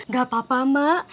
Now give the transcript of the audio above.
gak apa apa mak